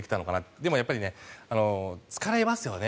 でもやっぱり疲れますよね。